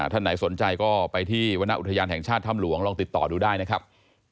ท่านไหนสนใจก็ไปที่วรรณอุทยานแห่งชาติถ้ำหลวงลองติดต่อดูได้นะครับ